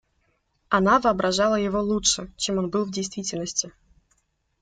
Она воображала его лучше, чем он был в действительности.